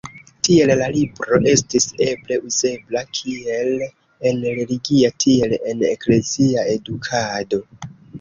Tiel la libro estis eble uzebla kiel en religia, tiel en eklezia edukado.